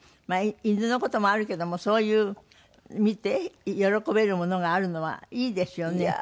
まあ犬の事もあるけどもそういう見て喜べるものがあるのはいいですよね。